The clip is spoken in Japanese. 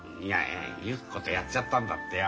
ゆき子とやっちゃったんだってよ。